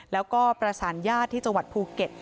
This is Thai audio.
แล้วก็ประสานญาติที่จังหวัดภูเก็ต